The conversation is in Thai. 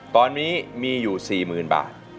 ตอนนี้มีอยู่๔๐๐๐บาท